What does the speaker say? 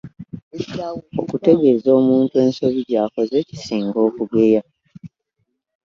Okuteggeza muntu ensobi gyakoze kisinga akugeya .